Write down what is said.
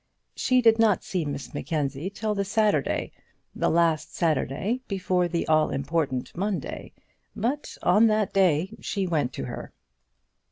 She did not see Miss Mackenzie till the Saturday, the last Saturday before the all important Monday; but on that day she went to her.